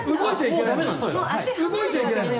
動いちゃいけないのね。